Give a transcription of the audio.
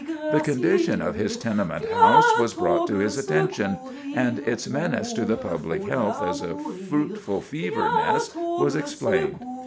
The condition of his tenement house was brought to his attention, and its menace to the public health as a fruitful fever nest was explained.